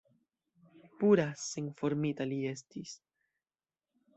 Pura, senformita li estis!